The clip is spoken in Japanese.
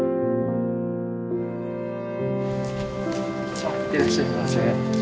いってらっしゃいませ。